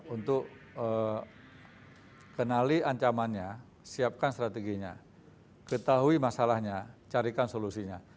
untuk kenali ancamannya siapkan strateginya ketahui masalahnya carikan solusinya